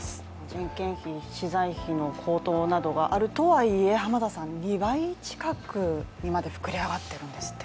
人件費、資材費の高騰などがあるとはいえ、２倍近くにまで膨れ上がってるんですって。